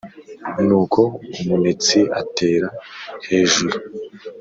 Nuko umunetsi atera hejuru,